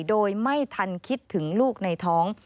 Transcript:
โดยไม่ทันคิดถึงลูกในท้อง